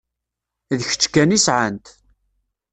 D kečč kan i sɛant.